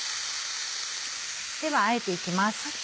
ではあえていきます。